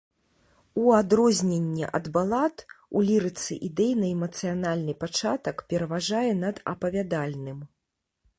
У адрозненне ад балад, у лірыцы ідэйна-эмацыянальны пачатак пераважае над апавядальным.